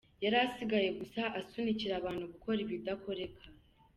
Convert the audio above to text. Yari asigaye gusa asunikira abantu gukora ibidakoreka.